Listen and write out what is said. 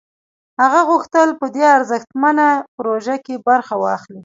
هغه غوښتل په دې ارزښتمنه پروژه کې برخه واخلي